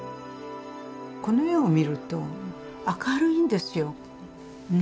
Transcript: この絵を見ると明るいんですよ。